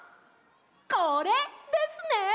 これですね！